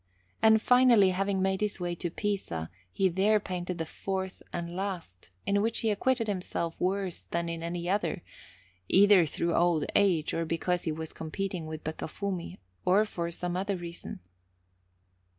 And finally, having made his way to Pisa, he there painted the fourth and last, in which he acquitted himself worse than in any other, either through old age, or because he was competing with Beccafumi, or for some other reason.